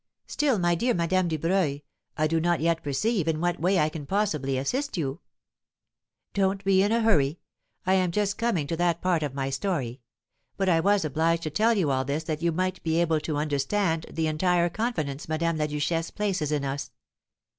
"Still, my dear Madame Dubreuil, I do not yet perceive in what way I can possibly assist you." "Don't be in a hurry! I am just coming to that part of my story; but I was obliged to tell you all this that you might be able to understand the entire confidence Madame la Duchesse places in us.